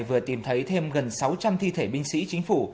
vừa tìm thấy thêm gần sáu trăm linh thi thể binh sĩ chính phủ